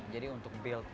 jadi untuk build